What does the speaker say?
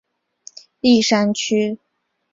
立山区是辽宁省鞍山市下辖的一个市辖区。